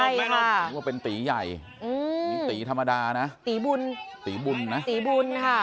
ยกมือขึ้นมาลูก